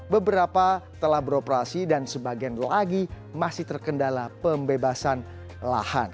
beberapa telah beroperasi dan sebagian lagi masih terkendala pembebasan lahan